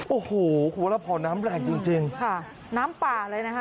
โอ้โหหัวละพ่อน้ำแรงจริงค่ะน้ำป่าเลยนะฮะ